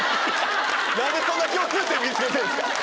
何でそんな共通点見つけてんですか？